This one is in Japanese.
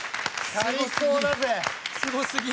最高だぜ！